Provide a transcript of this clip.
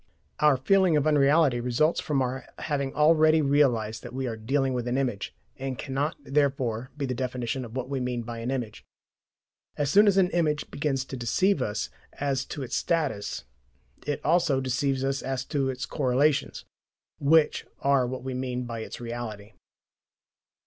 Our feeling of unreality results from our having already realized that we are dealing with an image, and cannot therefore be the definition of what we mean by an image. As soon as an image begins to deceive us as to its status, it also deceives us as to its correlations, which are what we mean by its "reality."